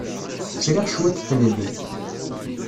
Sriɣ cwiṭ n tlelli.